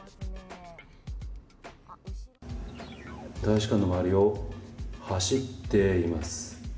大使館の周りを走っています。